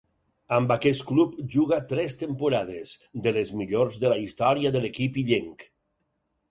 Amb aquest club juga tres temporades, de les millors de la història de l'equip illenc.